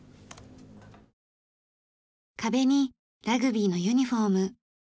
壁にラグビーのユニホーム。